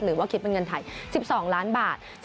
หรือว่าคิดเป็นเงินไทย๑๒ล้านบาท